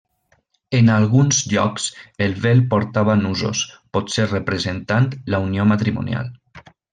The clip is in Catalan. En alguns llocs el vel portava nusos, potser representant la unió matrimonial.